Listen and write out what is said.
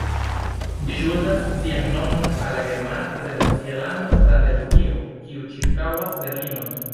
Ĝi ŝuldas sian nomon al la germana federacia lando Brandenburgio, kiu ĉirkaŭas Berlinon.